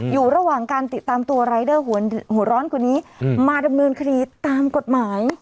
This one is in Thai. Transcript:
อยู่ระหว่างการติดตามตัวรายเดอร์หัวร้อนคนนี้มาดำเนินคดีตามกฎหมาย